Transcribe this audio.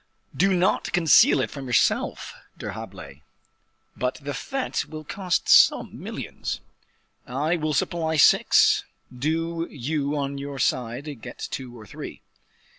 "Do not conceal it from yourself, D'Herblay, but the fete will cost some millions." "I will supply six; do you on your side get two or three."